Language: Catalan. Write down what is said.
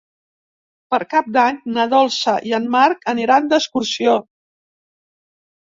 Per Cap d'Any na Dolça i en Marc aniran d'excursió.